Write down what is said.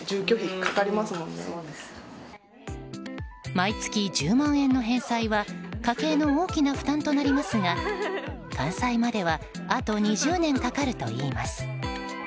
毎月１０万円の返済は家計の大きな負担となりますが完済まではあと２０年かかるといいます。